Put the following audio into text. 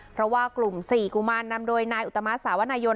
เพราะว่ากลุ่ม๔กุมารนำโดยนายอุตมาสสาวนายน